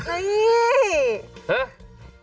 อึ๊ย